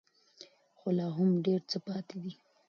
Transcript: خو لا هم ډېر څه پاتې دي.